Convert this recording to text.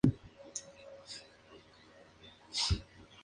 Todos ellos son conocidos como los Cuatro Santos de Cartagena.